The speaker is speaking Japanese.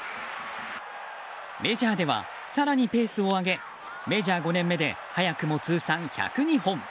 メジャーでは更にペースを上げメジャー５年目で早くも通算１０２本。